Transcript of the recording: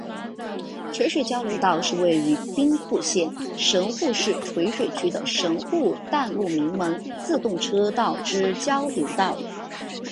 垂水交流道是位于兵库县神户市垂水区的神户淡路鸣门自动车道之交流道。